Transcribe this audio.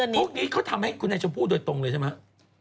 พวกนี้เขาทำให้คุณนายชมพู่โดยตรงเลยใช่ไหม